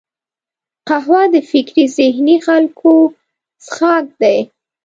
قهوه د فکري ذهیني خلکو څښاک دی